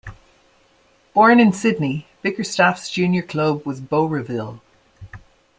Born in Sydney, Bickerstaff's junior club was Bowraville.